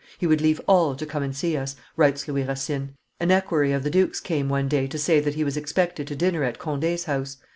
"He would leave all to come and see us," writes Louis Racine; "an equerry of the duke's came one day to say that he was expected to dinner at Conde's house.